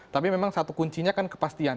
tapi memang satu kuncinya kan kepastian